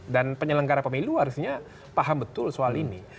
dan penyelenggara pemilu harusnya paham betul soal ini